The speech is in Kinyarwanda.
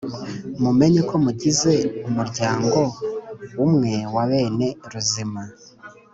Mumenye ko mugize umuryango umwe wa bene Ruzima.